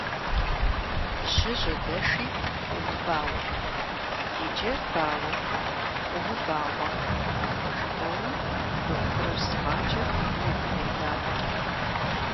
– Жьы жьэдэши умыбауэ! Иджы бауэ! Умыбауэ! - жиӏэурэ дохутырыр сымаджэм и гум едаӏуэрт.